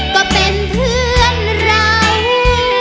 ก็เป็นเพื่อนไร